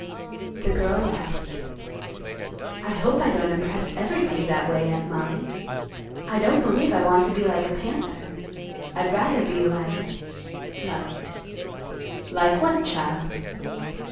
The girl laughed. "I hope I don't impress everybody that way, Aunt Mollie. I don't believe I want to be like a panther. I'd rather be like—like—" "Like what, child?"